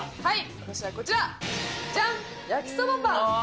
私はこちら、じゃん、焼きそばパン。